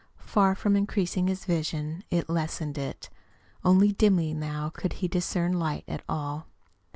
Far from increasing his vision, it lessened it. Only dimly now could he discern light at all.